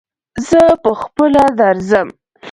زه په خپله درځم